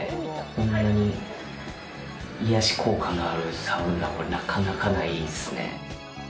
こんなに癒やし効果のあるサウナは、なかなかないですね。